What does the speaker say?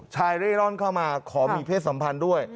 เร่ร่อนเข้ามาขอมีเพศสัมพันธ์ด้วย